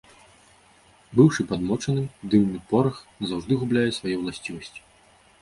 Быўшы падмочаным, дымны порах назаўжды губляе свае ўласцівасці.